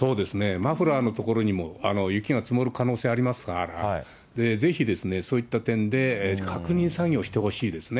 マフラーのところにも雪が積もる可能性ありますから、ぜひですね、そういった点で確認作業してほしいですね。